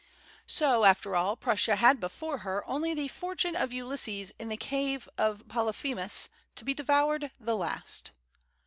So, after all, Prussia had before her only the fortune of Ulysses in the cave of Polyphemus, to be devoured the last.